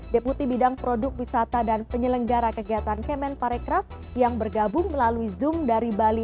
deputi bidang produk wisata dan penyelenggara kegiatan kemen parekraf yang bergabung melalui zoom dari bali